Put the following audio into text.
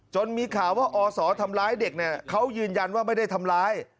มีข่าวว่าอศทำร้ายเด็กเนี่ยเขายืนยันว่าไม่ได้ทำร้าย